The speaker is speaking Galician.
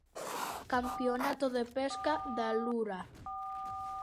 Campionato de pesca da lura.